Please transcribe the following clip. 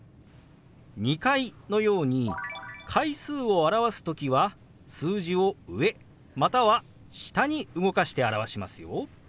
「２階」のように階数を表す時は数字を上または下に動かして表しますよ。